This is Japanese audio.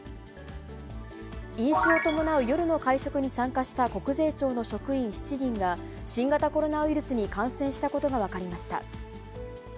飲酒を伴う夜の会食に参加した国税庁の職員７人が、新型コロナウイルスに感染したことが分かりました。